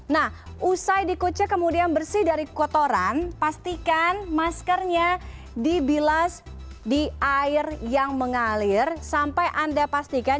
nah usai dikucik kemudian bersih dari kotoran pastikan maskernya dibilas di air yang mengalir sampai anda pastikan